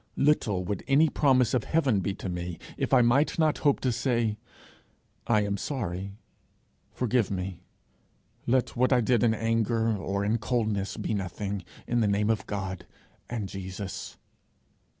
Little would any promise of heaven be to me if I might not hope to say, 'I am sorry; forgive me; let what I did in anger or in coldness be nothing, in the name of God and Jesus!'